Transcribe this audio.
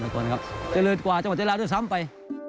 เจริญกว่าจังหวัดเจราะด้วยซ้ำไป